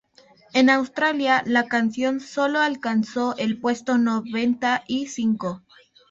En Australia, la canción sólo alcanzó el puesto noventa y cinco.